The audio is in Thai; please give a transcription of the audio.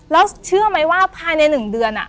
แล้วเชื่อมั้ยว่าภายใน๑เดือนอะ